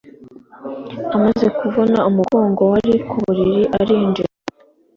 amaze kuvuna umugogo wari ku buriri arinjira